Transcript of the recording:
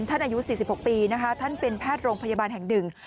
อายุ๔๖ปีนะคะท่านเป็นแพทย์โรงพยาบาลแห่งหนึ่ง